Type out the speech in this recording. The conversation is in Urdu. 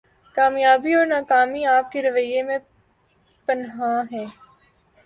کامیابی اور ناکامی آپ کے رویہ میں پنہاں ہے